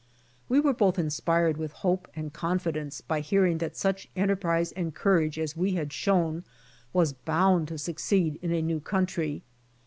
We were both inspired with hope and confidence, by hearing that such enterprise and courage as we had shown was bound to succeed in a new country.